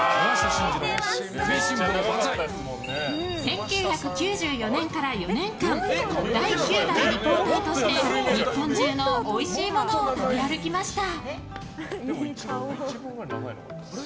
１９９４年から４年間第９代リポーターとして日本中のおいしいものを食べ歩きました。